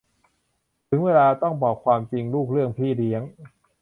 ถึงเวลาต้องบอกความจริงลูกเรื่องพี่เลี้ยง